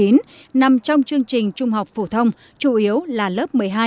nằm trong chương trình trung học phổ thông chủ yếu là lớp một mươi hai